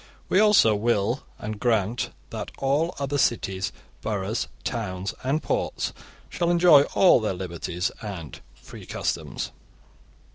We also will and grant that all other cities, boroughs, towns, and ports shall enjoy all their liberties and free customs.